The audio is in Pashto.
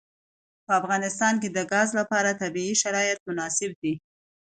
په افغانستان کې د ګاز لپاره طبیعي شرایط مناسب دي.